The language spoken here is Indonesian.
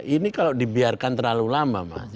ini kalau dibiarkan terlalu lama mas